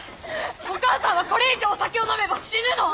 お母さんはこれ以上お酒を飲めば死ぬの！